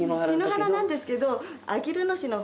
檜原なんですけど。